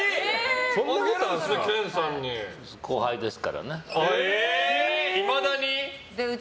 後輩ですからね。